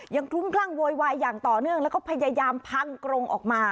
คลุ้มคลั่งโวยวายอย่างต่อเนื่องแล้วก็พยายามพังกรงออกมา